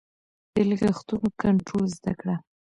د لګښتونو کنټرول زده کړه.